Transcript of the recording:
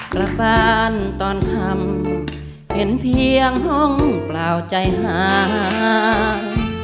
กระบานตอนธรรมเผ็นเพียงห้องเปล่าใจหาม